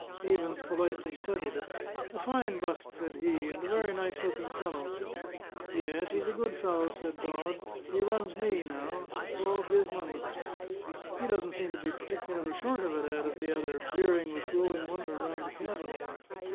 Havens politely studied it. "A fine bust," said he; "and a very nice looking fellow." "Yes; he's a good fellow," said Dodd. "He runs me now. It's all his money." "He doesn't seem to be particularly short of it," added the other, peering with growing wonder round the cabin.